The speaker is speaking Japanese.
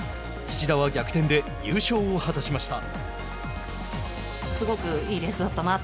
土田は逆転で優勝を果たしました。